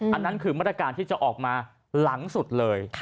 อันนั้นคือมาตรการที่จะออกมาหลังสุดเลย